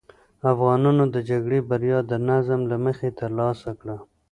افغانانو د جګړې بریا د نظم له مخې ترلاسه کړه.